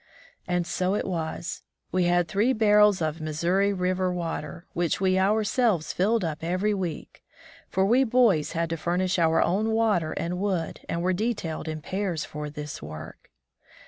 And so it was. We had three barrels of Missouri River water, which we ourselves filled up every week, for we boys had to furnish our own water and wood, and were detailed in pairs for this work.